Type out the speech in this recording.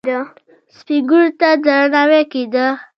سپین ږیرو ته درناوی کیده